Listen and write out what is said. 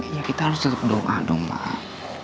ya kita harus tetep doa dong mbak